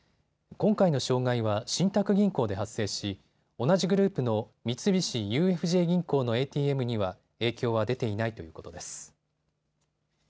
今回の障害は信託銀行で発生し同じグループの三菱ＵＦＪ銀行のＡＴＭには影響は出ていないということです。